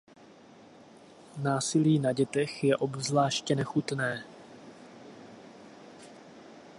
Násilí na dětech je obzvláště nechutné.